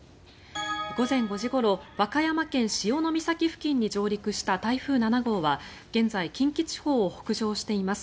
午前５時ごろ和歌山県・潮岬付近に上陸した台風７号は現在近畿地方を北上しています。